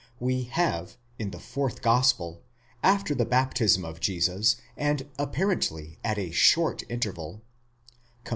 We have, in the fourth gospel, after the baptism of Jesus, and apparently at a short interval (comp.